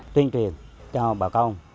tuyên truyền cho bà con